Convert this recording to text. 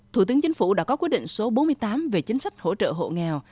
thủ tướng chính phủ đã có quyết định số bốn mươi tám về chính sách hỗ trợ hộ nghèo